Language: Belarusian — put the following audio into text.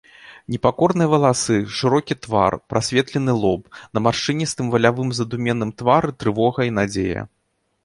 Непакорныя валасы, шырокі твар, прасветлены лоб, на маршчыністым валявым задуменным твары трывога і надзея.